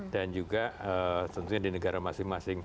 dan juga tentunya di negara masing masing